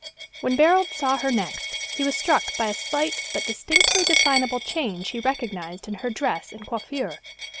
When Barold saw her next, he was struck by a slight but distinctly definable change he recognized in her dress and coiffure.